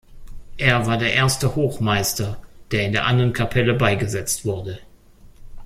Er war der erste Hochmeister, der in der Annenkapelle beigesetzt wurde.